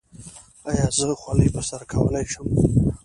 ایا زه خولۍ په سر کولی شم؟